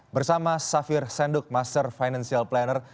bersama safir senduk master financial planner